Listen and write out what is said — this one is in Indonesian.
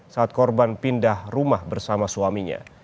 saat korban pindah rumah bersama suaminya